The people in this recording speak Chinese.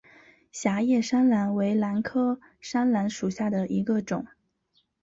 狭叶山兰为兰科山兰属下的一个种。